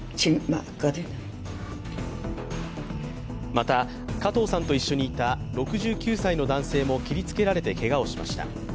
また加藤さんと一緒にいた６９歳の男性も切りつけられてけがをしました。